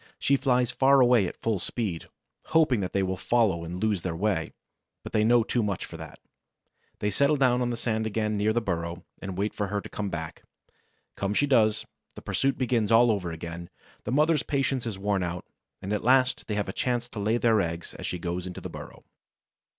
She flies far away at full speed, hoping that they will follow and lose their way. But they know too much for that. They settle down on the sand again near the burrow and wait for her to come back. Come she does; the pursuit begins all over again; the mother's patience is worn out, and at last they have a chance to lay their eggs as she goes into the burrow.